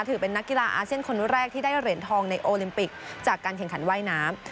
ถือเป็นนักกีฬาอาเซียนคนแรกที่ได้เหรียญทองในโอลิมปิกจากการแข่งขันว่ายน้ำ